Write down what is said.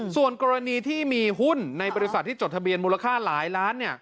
ส่วนกรณีที่มีหุ้นในบริษัทที่จดทะเบียนมูลค่าหลายล้าน